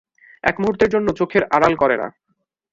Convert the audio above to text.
এক মুহূর্তের জন্য চোখের আড়াল করে না।